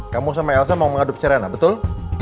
kamu sama elsa mau mengadopsi rena betul